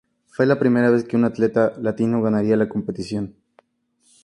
Fue la primera vez que un atleta latino ganaría la competición.